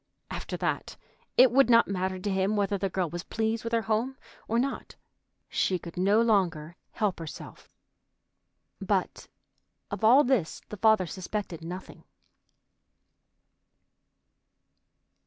After that it would not matter to him whether the girl was pleased with her home or not. She could no longer help herself. But of all this the father suspected nothing.